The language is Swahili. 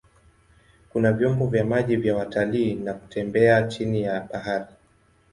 Kuna vyombo vya maji vya watalii na kutembea chini ya bahari.